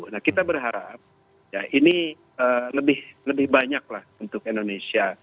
nah kita berharap ya ini lebih banyak lah untuk indonesia